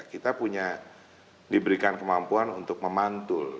kita punya diberikan kemampuan untuk memantul